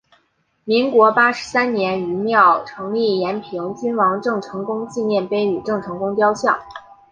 民国八十三年于庙埕立延平郡王郑成功纪念碑与郑成功雕像。